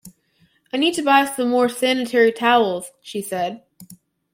I need to buy some more sanitary towels, she said